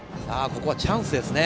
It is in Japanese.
ここはチャンスですね。